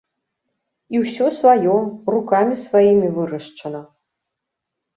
І ўсё сваё, рукамі сваімі вырашчана.